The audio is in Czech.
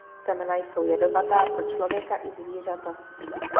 Semena jsou jedovatá pro člověka i zvířata.